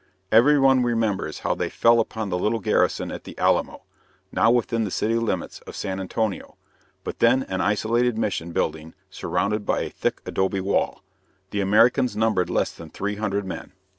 Every one remembers how they fell upon the little garrison at the Alamo, now within the city limits of San Antonio, but then an isolated mission building surrounded by a thick adobe wall. The Americans numbered less than three hundred men.